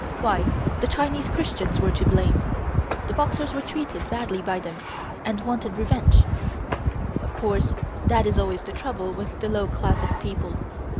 Why, the Chinese Christians were to blame. The Boxers were treated badly by them, and wanted revenge. Of course that is always the trouble with the low class of people.